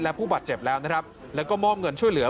และผู้บัดเจ็บแล้วและมอบเงินช่วยเหลือ